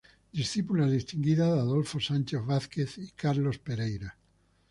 Discípula distinguida de Adolfo Sánchez Vázquez y Carlos Pereyra.